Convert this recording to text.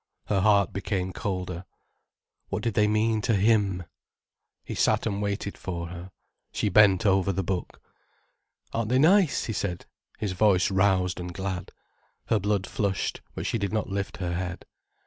Her heart became colder. What did they mean to him? He sat and waited for her. She bent over the book. "Aren't they nice?" he said, his voice roused and glad. Her blood flushed, but she did not lift her head.